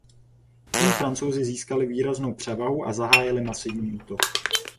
Tím Francouzi získali výraznou převahu a zahájili masivní útok.